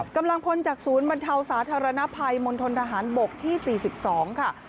กำลังพลจากศูนย์บรรเทาสาธารณภัยมณฑนทหารบกที่๔๒ค่ะ